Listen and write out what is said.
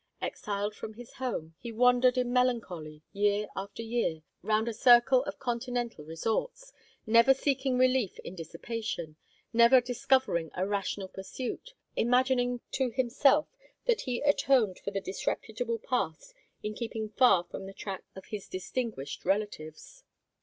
Exiled from his home, he wandered in melancholy, year after year, round a circle of continental resorts, never seeking relief in dissipation, never discovering a rational pursuit, imagining to himself that he atoned for the disreputable past in keeping far from the track of his distinguished relatives.